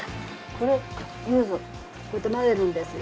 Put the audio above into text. こうやって混ぜるんですよ。